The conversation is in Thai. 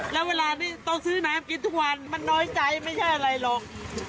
แล้วเวลานี้ต้องซื้อน้ำกินทุกวันมันน้อยใจไม่ใช่อะไรหรอก